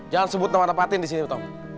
jangan sebut nama nama patin disini betong